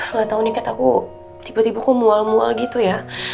nggak tau nih kat aku tiba tiba kok mual mual gitu ya